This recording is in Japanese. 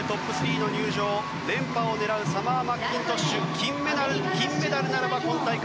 そして、連覇を狙うサマー・マッキントッシュ金メダルならば今大会